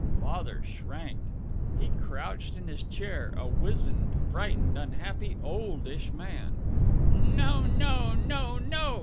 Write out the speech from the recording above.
Father shrank. He crouched in his chair, a wizened, frightened, unhappy, oldish man. "No, no, no, no!"